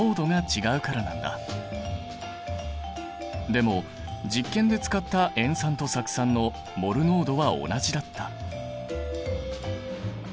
でも実験で使った塩酸と酢酸のモル濃度は同じだった。